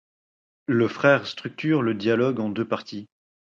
Le frère structure le dialogue en deux parties.